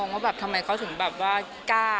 ว่าแบบทำไมเขาถึงแบบว่ากล้า